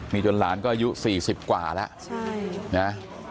มีจนหลานก็อายุ๔๐กว่าแล้วนะ